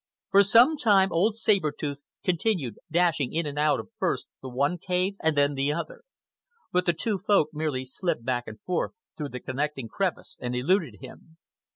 For some time old Saber Tooth continued dashing in and out of first the one cave and then the other. But the two Folk merely slipped back and forth through the connecting crevice and eluded him.